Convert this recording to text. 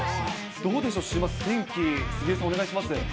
どうでしょう、週末、天気、杉江さんお願いします。